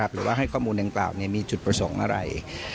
หรือว่าให้ข้อมูลดังกล่าวมีจุดประสงค์อะไร